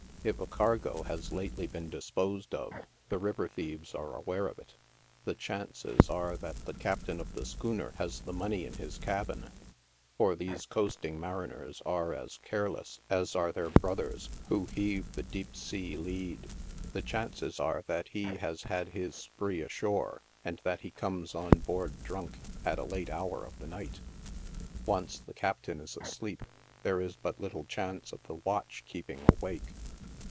If a cargo ha3 lately been disposed of, the river thieve3 are aware of it. The chances are that the captain of the schooner has the money in his cabin — for these coasting mariners are as care less of their pelf as are their brothers, who heave the deep sea lead. The chances are that he has had his spree ashore, and that he come3 on board drunk, at a late hour of the night. Once the captain is asleep, there is but little chance of the watch keeping awake.